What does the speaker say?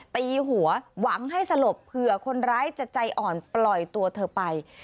ตีหัวหวังให้สลบเผื่อคนร้ายจะใจอ่อนปล่อยตัวเธอไป